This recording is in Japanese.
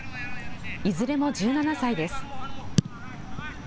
いずれも１７歳です。